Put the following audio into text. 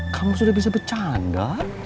kamu sudah bisa bercanda